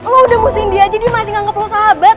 lu udah musuhin dia aja dia masih anggap lu sahabat